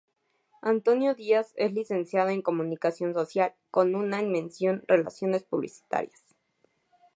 Antonio Díaz es Licenciado en Comunicación Social, con una en mención relaciones publicitarias.